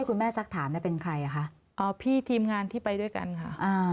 คุณแม่สักถามเป็นใครคะพี่ทีมงานที่ไปด้วยกันค่ะ